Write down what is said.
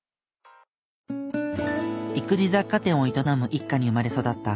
育児雑貨店を営む一家に生まれ育った黄瀬さん。